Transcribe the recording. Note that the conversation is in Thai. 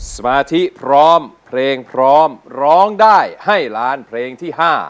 สมาธิพร้อมเพลงพร้อมร้องได้ให้ล้านเพลงที่๕